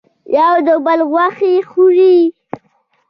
یو د بل غوښې خوري.